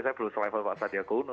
saya belum selevel pak satya kouno